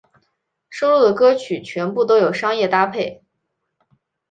收录的歌曲全部都有商业搭配。